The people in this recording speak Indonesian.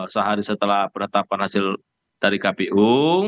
sehari setelah penetapan hasil dari kpu